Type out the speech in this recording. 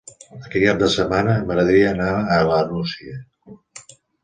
Aquest cap de setmana m'agradaria anar a la Nucia.